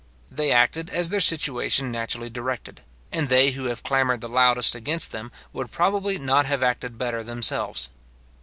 They acted as their situation naturally directed, and they who have clamoured the loudest against them would probably not have acted better themselves.